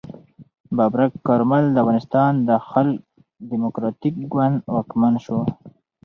ببرک کارمل د افغانستان د خلق دموکراتیک ګوند واکمن شو.